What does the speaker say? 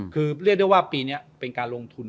คือเรียกได้ว่าปีนี้เป็นการลงทุน